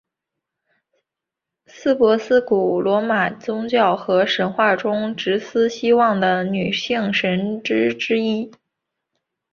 司珀斯古罗马宗教和神话中职司希望的女性神只之一。